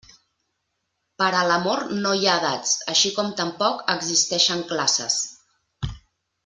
Per a l'amor no hi ha edats, així com tampoc existeixen classes.